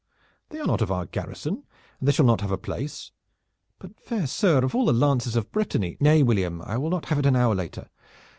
"They are not of our garrison, and they shall not have a place." "But, fair sir, of all the lances of Brittany " "Nay, William, I will not have it an hour later.